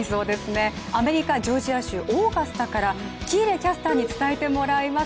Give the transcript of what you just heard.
アメリカ・ジョージア州オーガスタから喜入キャスターに伝えてもらいます。